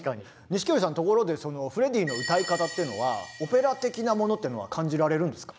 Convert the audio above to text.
錦織さんところでフレディの歌い方っていうのはオペラ的なものっていうのは感じられるんですか？